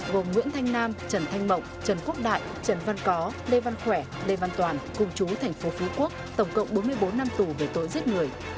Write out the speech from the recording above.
gồm nguyễn thanh nam trần thanh mộng trần quốc đại trần văn có lê văn khỏe lê văn toàn cùng chú thành phố phú quốc tổng cộng bốn mươi bốn năm tù về tội giết người